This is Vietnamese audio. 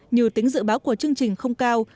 nhiều tính dự báo của chương trình không cao